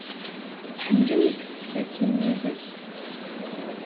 Tḥemmlem ad teskasim yid-s?